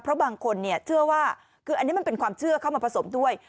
เพราะบางคนเชื่อว่าคืออันนี้มันเป็นความเชื่อเข้ามาผสมด้วย